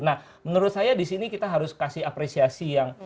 nah menurut saya di sini kita harus kasih apresiasi yang